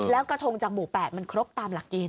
แล้วกระทงจากหมู่๘มันครบตามหลักเกณฑ์